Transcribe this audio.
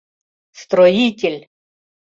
— Строитель!